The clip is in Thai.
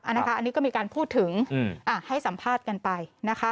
อันนี้ก็มีการพูดถึงให้สัมภาษณ์กันไปนะคะ